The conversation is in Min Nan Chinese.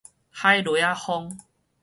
海螺仔風